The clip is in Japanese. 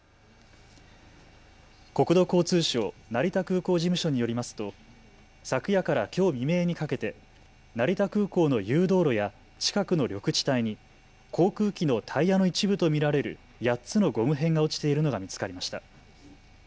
国土交通省成田空港事務所によりますと昨夜からきょう未明にかけて成田空港の誘導路や近くの緑地帯に航空機のタイヤの一部と見られる８つのゴム片が落ちているのが見つかりました。